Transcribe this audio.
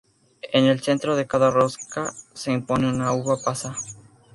En el centro de cada rosca se pone una uva pasa.